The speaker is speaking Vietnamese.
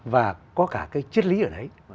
và có cả cái chất lý ở đấy